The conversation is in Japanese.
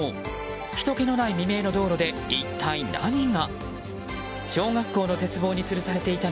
ひとけのない未明の道路で一体何が。